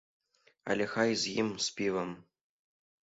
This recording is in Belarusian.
Але хай з ім, з півам.